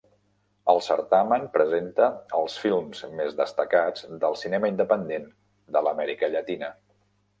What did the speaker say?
El certamen presenta els films més destacats del cinema independent de l'Amèrica Llatina.